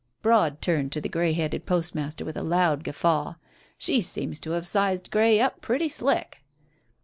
Broad turned to the grey headed postmaster with a loud guffaw. "She seems to have sized Grey up pretty slick."